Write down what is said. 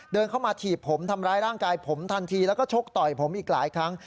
เดินเข้ามาถีบผมทำร้ายร่างกายผมทันทีแล้วก็ชกต่อยผมอีกหลายครั้ง